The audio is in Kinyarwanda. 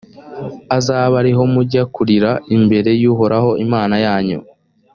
azabe ari ho mujya kurira imbere y’uhoraho imana yanyu,